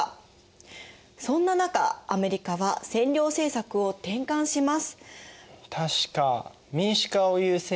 そんな中アメリカは占領政策を転換します。